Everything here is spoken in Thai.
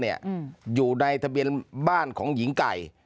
อยู่ในทะเบียนบ้านของหญิงไก่